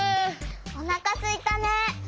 おなかすいたね。